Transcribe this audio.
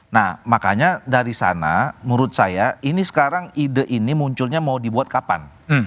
nah makanya dari sana menurut saya ini sekarang ide ini munculnya mau dibuat kapan